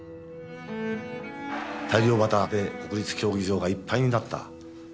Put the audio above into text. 大漁旗で国立競技場がいっぱいになった。